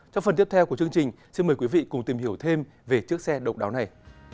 trong phần tiếp theo của chương trình xin mời quý vị cùng tìm hiểu thêm về chiếc xe độc đáo này